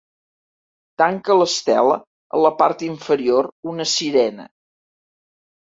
Tanca l'estela en la part inferior una sirena.